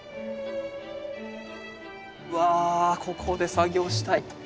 うわここで作業したい。